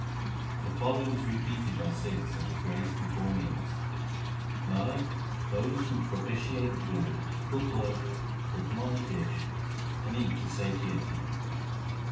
3 The following is repeated by Sikhs as a grace before meals : Nanak, they who propitiate the Guru Cook loaves, put them on the dish, and eat to satiety.